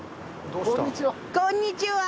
こんにちは。